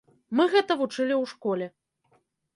Мы гэта вучылі ў школе.